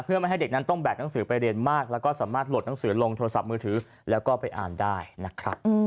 เพื่อไม่ให้เด็กนั้นต้องแบกหนังสือไปเรียนมากแล้วก็สามารถหลดหนังสือลงโทรศัพท์มือถือแล้วก็ไปอ่านได้นะครับ